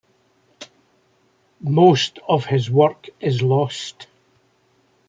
Most of his work is lost.